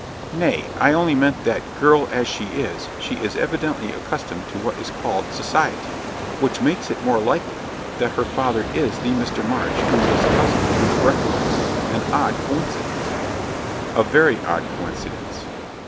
"Nay, I only meant that, girl as she is, she is evidently accustomed to what is called 'society.' Which makes it the more likely that her father is the Mr. March who was cousin to the Brithwoods. An odd coincidence." "A very odd coincidence."